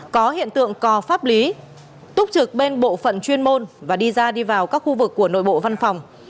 có hiện tượng cò pháp lý túc trực bên bộ phận chuyên môn và đi ra đi vào các khu vực của nội bộ văn phòng